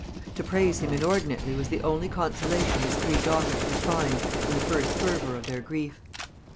To praise him inordinately was the only consolation his three daughters could find in the first fervour of their grief.